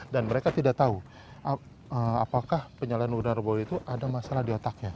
dan mereka tidak tahu apakah penyalahan udara robo itu ada masalah di otaknya